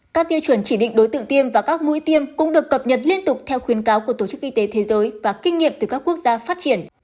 các tiêu chuẩn chỉ định đối tượng tiêm và các mũi tiêm cũng được cập nhật liên tục theo khuyến cáo của tổ chức y tế thế giới và kinh nghiệm từ các quốc gia phát triển